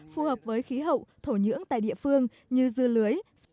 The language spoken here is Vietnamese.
phù hợp với khí hậu thổ nhưỡng tại địa phương như dưa lưới